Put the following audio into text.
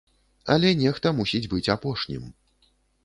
Але нехта мусіць быць апошнім.